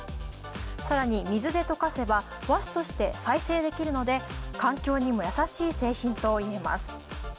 さらに水で溶かせば和紙として再生できるので、環境にもやさしい製品といえます。